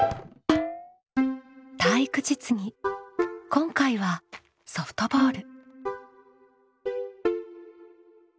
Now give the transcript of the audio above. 今回は「ソフトボール」。